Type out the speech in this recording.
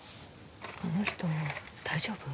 あの人大丈夫？